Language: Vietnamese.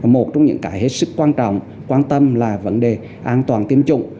một trong những cái hết sức quan trọng quan tâm là vấn đề an toàn tiêm chủng